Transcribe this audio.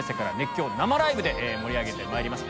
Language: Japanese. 生ライブで盛り上げてまいります。